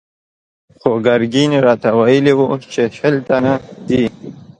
خو ګرګين راته ويلي و چې شل تنه دي.